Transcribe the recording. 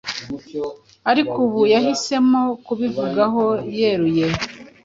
ariko ubu yahisemo kubivugaho yeruye.